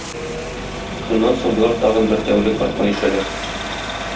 Шуннан соң болар тагын бер тәүлек аркан ишәләр.